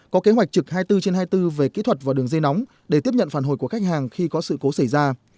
có kế hoạch trực hai mươi bốn trên hai mươi bốn về kỹ thuật và đường dây nóng để tiếp nhận phản hồi của khách hàng khi có sự cố xảy ra